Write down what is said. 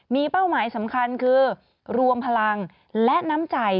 มีเป้าหมายสำคัญคือรวมพลังและน้ำใจ